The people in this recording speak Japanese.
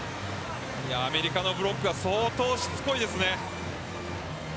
アメリカのブロックは相当しつこいですね。